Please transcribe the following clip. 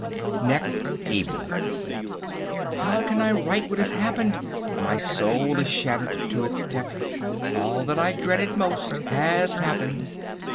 Next Evening. How can I write what has happened! My soul is shattered to its depths. All that I dreaded most has happened.